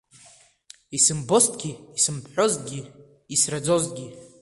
Исымбозҭгьы, исымҳәозҭгьы, исраӡозҭгьы…